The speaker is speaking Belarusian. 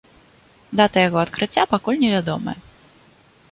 Дата яго адкрыцця пакуль невядомая.